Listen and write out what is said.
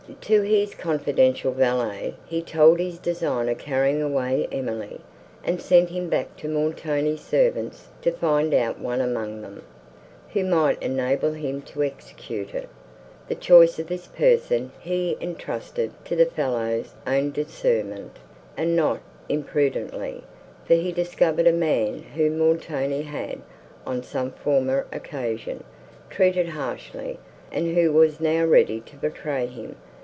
To his confidential valet he told his design of carrying away Emily, and sent him back to Montoni's servants to find out one among them, who might enable him to execute it. The choice of this person he entrusted to the fellow's own discernment, and not imprudently; for he discovered a man, whom Montoni had, on some former occasion, treated harshly, and who was now ready to betray him.